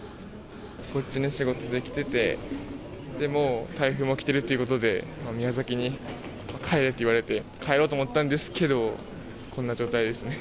こっちに仕事で来てて、もう台風も来てるってことで、宮崎に帰れって言われて、帰ろうと思ったんですけど、こんな状態ですね。